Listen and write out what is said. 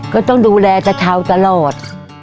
ก็ต้องดูแลตะเทาตลอด